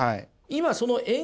今その円